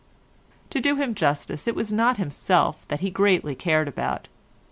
To do him justice it was not himself that he greatly cared about.